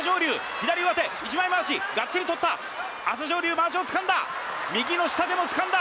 左上手一枚まわしがっちりとった朝青龍まわしをつかんだ右の下手もつかんだ